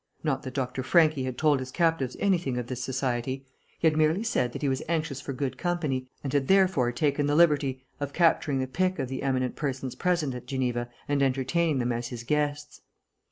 Not that Dr. Franchi had told his captives anything of this society; he had merely said that he was anxious for good company, and had therefore taken the liberty of capturing the pick of the eminent persons present at Geneva and entertaining them as his guests.